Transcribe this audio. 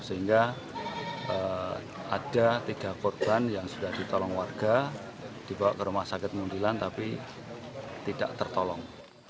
sehingga ada tiga korban yang sudah ditolong warga dibawa ke rumah sakit muntilan tapi tidak tertolong